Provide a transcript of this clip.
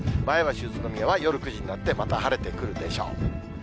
前橋、宇都宮は夜９時になってまた晴れてくるでしょう。